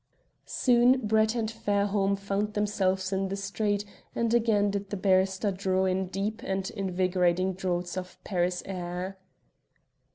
Soon Brett and Fairholme found themselves in the street, and again did the barrister draw in deep and invigorating draughts of Paris air.